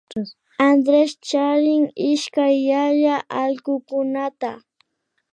Andrés charin ishkay yaya allkukunata